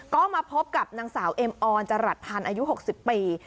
ก็มาพบกับนางสาวเอ็มออนจรัสพันธ์อายุ๖๐ปี